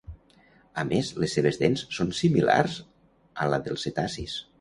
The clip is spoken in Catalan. A més, les seves dents són similars a la dels cetacis.